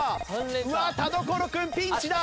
うわっ田所君ピンチだ。